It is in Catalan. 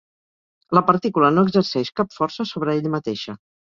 La partícula no exerceix cap força sobre ella mateixa.